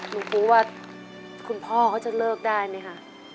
หนูรู้ว่าคุณพ่อเขาจะเลิกได้ไหมคะ